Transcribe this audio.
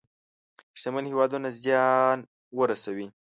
شتمن هېوادونه زيان ورسوي.